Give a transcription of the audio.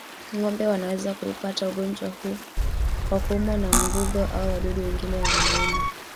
Ng'ombe wanaweza kuupata ugonjwa huu kwa kuumwa na mbung'o au wadudu wengine wanaouma